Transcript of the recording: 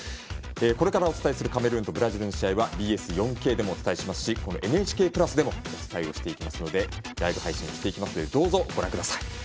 これからお伝えするカメルーンとブラジルの試合はＢＳ４Ｋでもお伝えしますし「ＮＨＫプラス」でもお伝えをしていきますのでライブ配信をどうぞご覧ください。